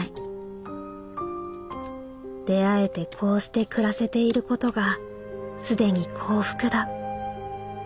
出会えてこうして暮らせていることが既に幸福だ。